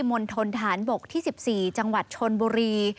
มณฑนฐานบกที่๑๔จังหวัดชนบุรี